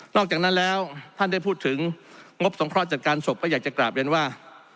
อกจากนั้นแล้วท่านได้พูดถึงงบสงเคราะหจัดการศพก็อยากจะกราบเรียนว่า